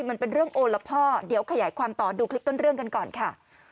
มันเป็นเรื่องโอละพ่อเดี๋ยวขยายความต่อดูคลิปต้นเรื่องกันก่อนค่ะ